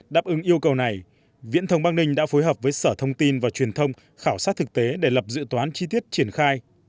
đáp ứng yêu cầu này viễn thông bắc ninh đã phối hợp với sở thông tin và truyền thông khảo sát thực tế để lập dự toán chi tiết triển khai